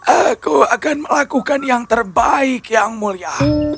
aku akan melakukan yang terbaik yang mulia